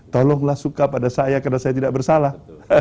tolonglah suka pada saya karena saya tidak bersalah